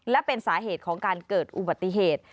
และเป็นสาเหตุของการเกิดอุบัติเหตุ